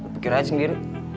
pukir aja sendiri